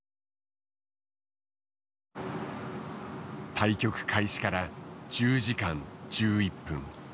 対局開始から１０時間１１分。